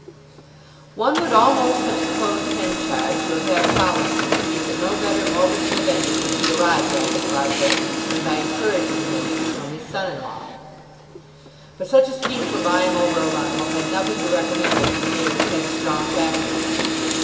One would almost have supposed Henchard to have had policy to see that no better modus vivendi could be arrived at with Farfrae than by encouraging him to become his son in law. But such a scheme for buying over a rival had nothing to recommend it to the Mayor's headstrong faculties.